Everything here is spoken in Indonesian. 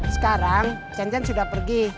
sekarang cencen sudah pergi